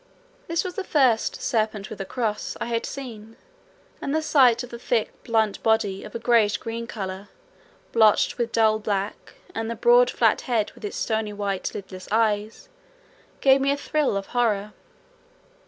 This was the first serpent with a cross I had seen, and the sight of the thick blunt body of a greenish grey colour blotched with dull black, and the broad flat head with its stony white lidless eyes, gave me a thrill of horror.